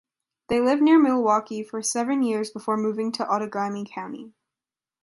They lived near Milwaukee for seven years before moving to Outagamie County.